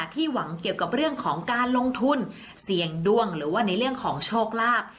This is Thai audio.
หวังเกี่ยวกับเรื่องของการลงทุนเสี่ยงดวงหรือว่าในเรื่องของโชคลาภ